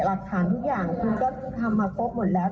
หลักฐานทุกอย่างคุณก็ทำมาครบหมดแล้ว